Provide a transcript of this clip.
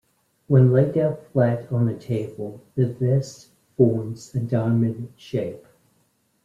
When laid out flat on a table the vest forms a diamond shape.